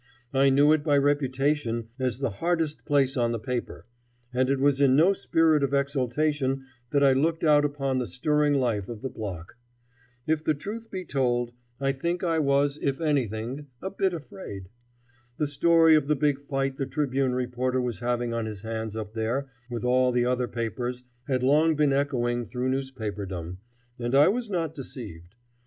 I knew it by reputation as the hardest place on the paper, and it was in no spirit of exultation that I looked out upon the stirring life of the block. If the truth be told, I think I was, if anything, a bit afraid. The story of the big fight the Tribune reporter was having on his hands up there with all the other papers had long been echoing through newspaperdom, and I was not deceived.